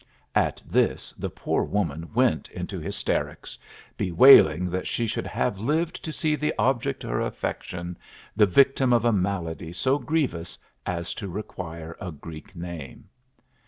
"At this the poor woman went into hysterics, bewailing that she should have lived to see the object of her affection the victim of a malady so grievous as to require a Greek name.